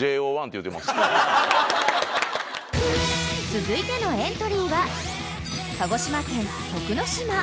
［続いてのエントリーは鹿児島県徳之島］